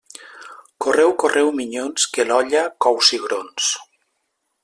Correu, correu, minyons, que l'olla cou cigrons.